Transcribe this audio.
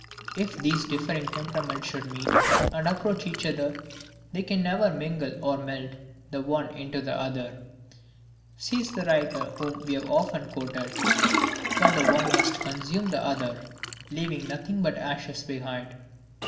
"If these differing temperaments should meet and approach each other, they can never mingle or melt the one into the other," (says the writer whom we have so often quoted) "but the one must consume the other, leaving nothing but ashes behind."